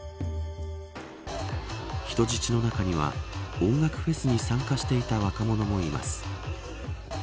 人質の中には音楽フェスに参加していた若者もいます。